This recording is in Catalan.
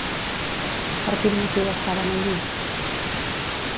Per quin motiu estaven allí?